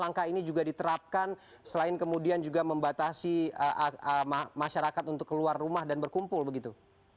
langkah ini juga diterapkan selain kemudian juga membatasi masyarakat untuk keluar rumah dan berkumpul begitu